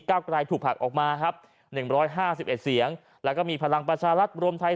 กลายถูกผลักออกมาครับ๑๕๑เสียงแล้วก็มีพลังประชารัฐรวมไทย